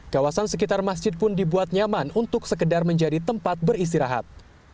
kawasan sekitar masjid pun dibuat nyaman untuk sekedar menjadi tempat beristirahat